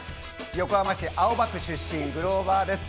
横浜市青葉区出身のグローバーです。